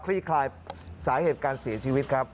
ลี่คลายสาเหตุการเสียชีวิตครับ